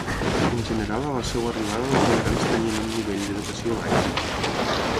En general a la seva arribada els migrants tenien un nivell d'educació baix.